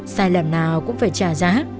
sai lầm nào cũng phải trả giá